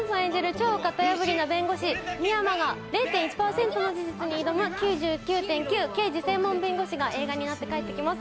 超型破りな弁護士深山が０．１％の事実に挑む「９９．９−刑事専門弁護士−」が映画になって帰ってきます